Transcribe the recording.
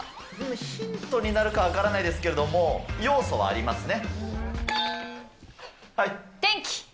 ヒントになるか分からないですけども、要素はありますね。